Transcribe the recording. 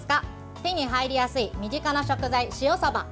手に入りやすい身近な食材塩さば。